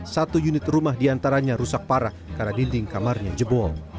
satu unit rumah diantaranya rusak parah karena dinding kamarnya jebol